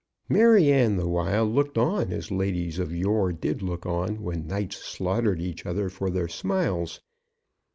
Maryanne the while looked on, as ladies of yore did look on when knights slaughtered each other for their smiles.